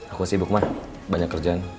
aku sibuk mah banyak kerjaan